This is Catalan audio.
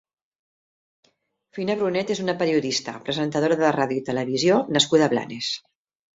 Fina Brunet és una periodista, presentadora de ràdio i televisió nascuda a Blanes.